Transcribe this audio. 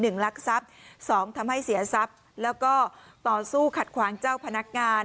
ลักทรัพย์สองทำให้เสียทรัพย์แล้วก็ต่อสู้ขัดขวางเจ้าพนักงาน